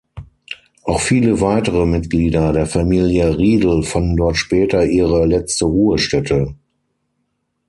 Auch viele weitere Mitglieder der Familie Riedel fanden dort später ihre letzte Ruhestätte.